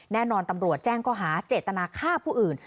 แน่นอนตำรวจแจ้งก็หาเจตนาคาพูดอื่น